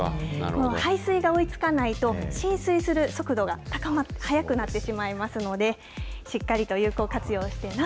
排水が追いつかないと、浸水する速度が高まって、速くなってしまいますので、しっかりと有効活用